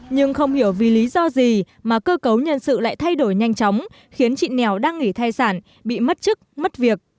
nhưng không hiểu vì lý do gì mà cơ cấu nhân sự lại thay đổi nhanh chóng khiến chị nẻo đang nghỉ thai sản bị mất chức mất việc